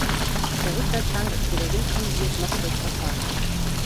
Der Rückwärtsgang ist weder synchronisiert noch schräg verzahnt.